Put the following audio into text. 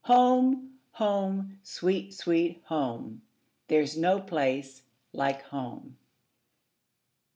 home! sweet, sweet home! There 's no place like home!